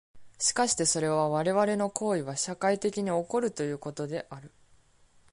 しかしてそれは我々の行為は社会的に起こるということである。